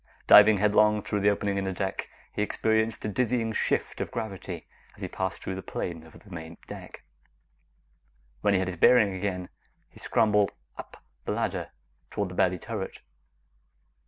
Diving headlong through the opening in the deck, he experienced a dizzying shift of gravity as he passed through the plane of the main deck. When he had his bearings again, he scrambled "up" the ladder toward the belly turret.